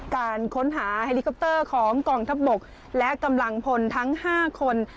การค้นหาเฮลิคอปเตอร์ของกองทัพบกและกำลังพลทั้ง๕คน